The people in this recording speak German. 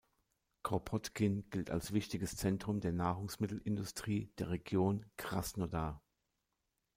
Kropotkin gilt als wichtiges Zentrum der Nahrungsmittelindustrie der Region Krasnodar.